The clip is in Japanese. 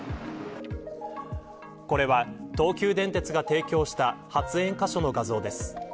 これは東急電鉄が提供した発煙箇所の画像です。